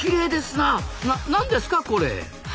な何ですかこれ？